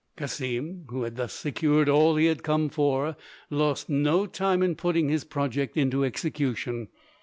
Cassim, who had thus secured all he had come for, lost no time in putting his project into execution.